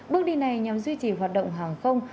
bước đi này nhằm duy trì hoạt động hàng không